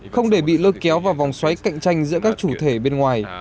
không để bị lôi kéo vào vòng xoáy cạnh tranh giữa các chủ thể bên ngoài